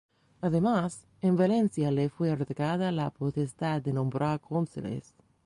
Además, en Valencia le fue otorgada la potestad de nombrar cónsules.